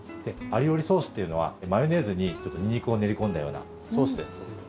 アリオリソースっていうのはマヨネーズにニンニクを練り込んだようなソースです。